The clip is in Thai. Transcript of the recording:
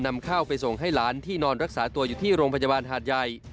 นำข้าวไปส่งให้หลานที่นอนรักษาตัวอยู่ที่โรงพยาบาลหาดใหญ่